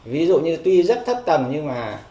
ví dụ như tuy rất thấp tầng nhưng mà